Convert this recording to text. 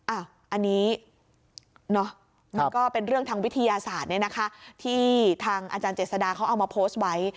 อันนี้มันก็เป็นเรื่องทางวิทยาศาสตร์ที่ทางอาจารย์เจษฎาเขาเอามาโพสต์ไว้